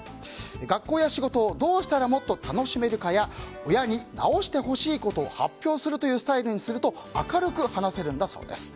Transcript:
学校や仕事をどうしたらもっと楽しめるかや親に直してほしいなと思うことを発表するスタイルにすると明るく話せるんだそうです。